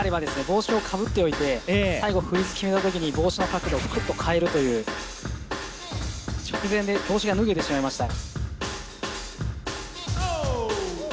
帽子をかぶっておいて最後フリーズを決めたときに帽子の角度をクッと変えるという直前で帽子が脱げてしまいました。